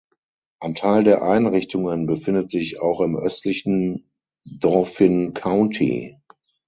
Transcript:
Ein Teil der Einrichtungen befindet sich auch im östlichen Dauphin County.